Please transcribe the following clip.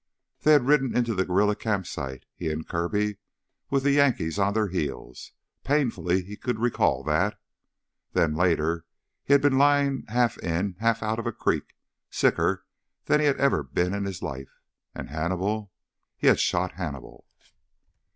They had ridden into the guerrilla camp site, he and Kirby, with the Yankees on their heels. Painfully he could recall that. Then, later he had been lying half in, half out of a creek, sicker than he had ever been in his life. And Hannibal ... he had shot Hannibal!